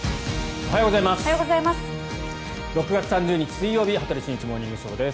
おはようございます。